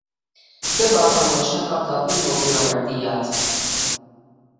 Több alkalommal is megkapta a Bruno Winawer-díjat.